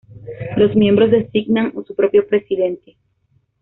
Los miembros designan su propio Presidente.